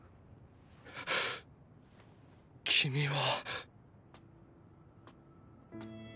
君は。